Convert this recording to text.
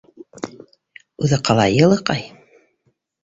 - Үҙе ҡалай йылыҡай...